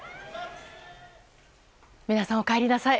皆さん、お帰りなさい。